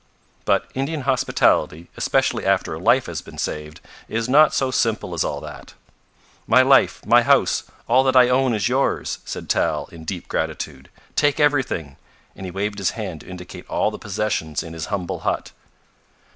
But Indian hospitality, especially after a life has been saved, is not so simple as all that. "My life my house all that I own is yours," said Tal in deep gratitude. "Take everything," and he waved his hand to indicate all the possessions in his humble hut.